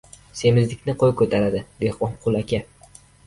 Semizlikni qo‘y ko‘taradi, Dehqonqul aka.